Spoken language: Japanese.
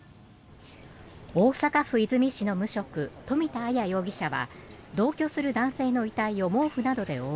大阪府和泉市の無職富田あや容疑者は同居する男性の遺体を毛布などで覆い